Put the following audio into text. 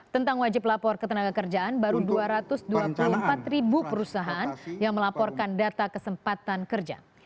tentang wajib lapor ketenaga kerjaan baru dua ratus dua puluh empat ribu perusahaan yang melaporkan data kesempatan kerja